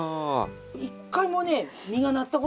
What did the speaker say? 一回もね実がなったことがないんです。